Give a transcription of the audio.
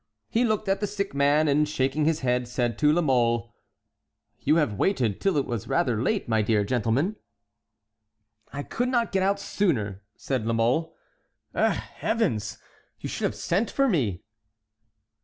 He looked at the sick man, and shaking his head, said to La Mole: "You have waited till it was rather late, my dear gentleman." "I could not get out sooner," said La Mole. "Eh! Heavens! you should have sent for me."